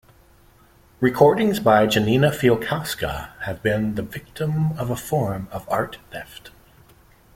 Recordings by Janina Fialkowska have been the victim of a form of art theft.